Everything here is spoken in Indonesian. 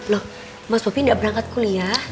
loh mas bobi tidak berangkat kuliah